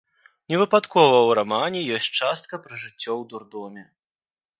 Невыпадкова ў рамане ёсць частка пра жыццё ў дурдоме.